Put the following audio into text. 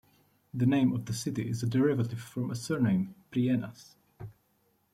The name of the city is a derivative from a surname "Prienas".